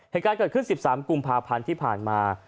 เหตุการณ์เกิดขึ้น๑๓กุมภาพันธ์ที่ผ่านมา